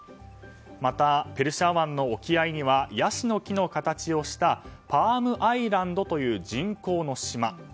また、ペルシャ湾沖合にはヤシの木の形をしたパーム・アイランドという人口の島。